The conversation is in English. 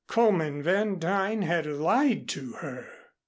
Coleman Van Duyn had lied to her.